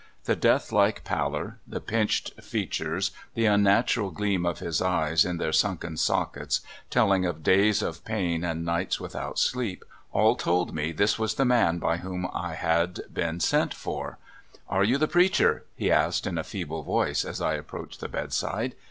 The deathlike pallor, the pinched features, the unnatural gleam of his eyes in their sunken sockets, telling of days of pain and nights without sleep — all told me this was the man by whom I had been sent for. "Are you the preacher?" he asked in a feeble voice, as I approached the bedside.